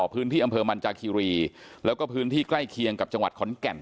พื้นที่อำเภอมันจากคีรีแล้วก็พื้นที่ใกล้เคียงกับจังหวัดขอนแก่น